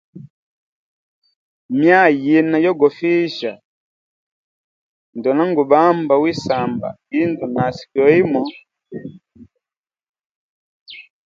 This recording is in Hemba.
Myaa yina yogofihisha, ndona ngubamba wi samba indu nasi kyoimo.